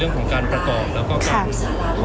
คุณต้องไปคุยกับทางเจ้าหน้าที่เขาหน่อย